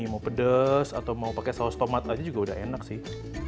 mau pedes atau mau pakai saus tomat aja juga udah enak sih